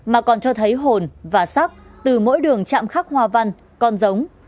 mà còn cho thấy hồn và sắc từ mỗi đường chạm khắc hoa văn con giống